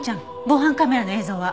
防犯カメラの映像は？